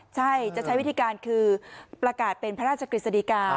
ใช่จะใช้วิธีการคือประกาศเป็นพระราชกฤษฎีกา